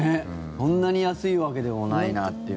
そんなに安いわけでもないなっていうね。